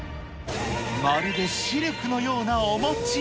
まるでシルクのようなお餅。